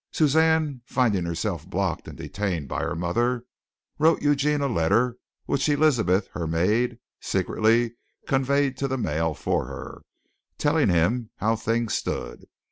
Suzanne, finding herself blocked and detained by her mother, wrote Eugene a letter which Elizabeth, her maid, secretly conveyed to the mail for her, telling him how things stood.